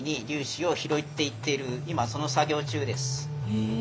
へえ。